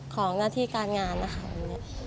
ของหน้าที่การงานนะคะ